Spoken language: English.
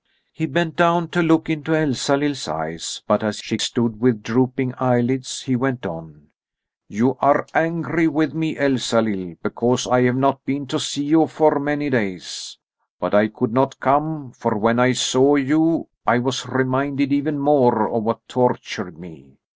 He bent down to look into Elsalill's eyes, but as she stood with drooping eyelids he went on: "You are angry with me, Elsalill, because I have not been to see you for many days. But I could not come, for when I saw you I was reminded even more of what tortured me.